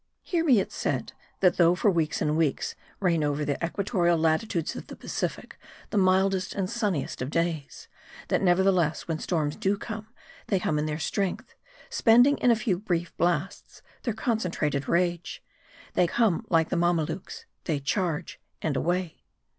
Here be it said, that though for weeks and weeks reign over the equatorial latitudes of the Pacific, the mildest arid sunniest of days ; that nevertheless, when storms do come, they come in their strength : spending in a few, brief blasts their concentrated rage. They come like the Mamelukes : they charge, and away.